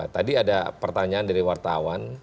tadi ada pertanyaan dari wartawan